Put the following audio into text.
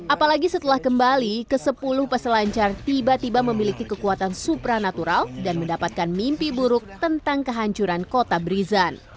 apalagi setelah kembali ke sepuluh peselancar tiba tiba memiliki kekuatan supranatural dan mendapatkan mimpi buruk tentang kehancuran kota brisan